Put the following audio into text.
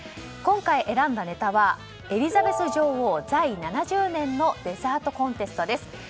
今回選んでネタはエリザベス女王在位７０年のデザートコンテストです。